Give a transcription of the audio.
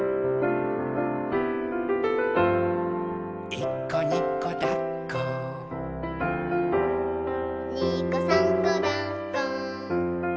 「いっこにこだっこ」「にこさんこだっこ」